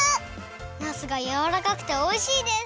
なすがやわらかくておいしいです！